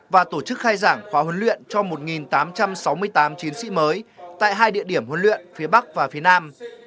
và tổ chức khai giảng khóa huấn luyện cho một tám trăm sáu mươi tám chiến sĩ mới tại hai địa điểm huấn luyện phía bắc và phía nam